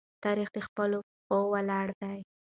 تاریخ د خپلو پښو ولاړ دی.